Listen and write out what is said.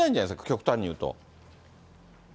極端に言うと。